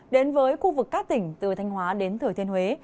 đến với khu vực các tỉnh từ thanh hóa đến thừa thiên huế